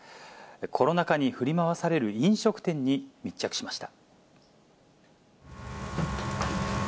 コロナ禍に振り回される飲食店に密着しました。